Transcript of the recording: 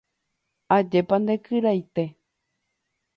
ajépa nde kyraite